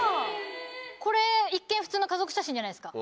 これ一見普通の家族写真じゃないですか。